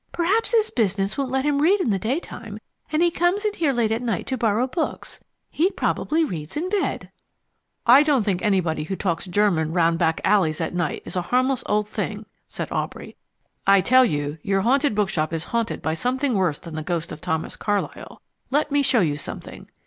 Perhaps his business won't let him read in the daytime, and he comes in here late at night to borrow books. He probably reads in bed." "I don't think anybody who talks German round back alleys at night is a harmless old thing," said Aubrey. "I tell you, your Haunted Bookshop is haunted by something worse than the ghost of Thomas Carlyle. Let me show you something."